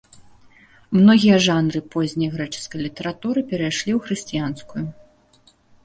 Многія жанры позняй грэчаскай літаратуры перайшлі ў хрысціянскую.